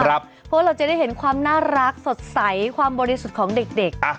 เพราะว่าเราจะได้เห็นความน่ารักสดใสความบริสุทธิ์ของเด็ก